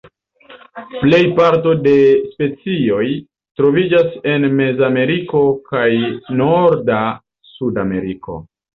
Plej parto de specioj troviĝas en Mezameriko kaj norda Sudameriko.